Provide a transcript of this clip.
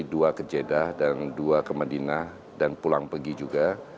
dua ke jeddah dan dua ke medinah dan pulang pergi juga